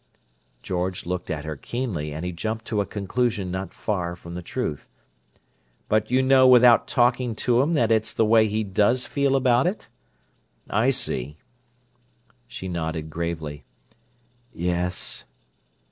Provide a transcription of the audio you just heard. George looked at her keenly, and he jumped to a conclusion not far from the truth. "But you know without talking to him that it's the way he does feel about it? I see." She nodded gravely. "Yes."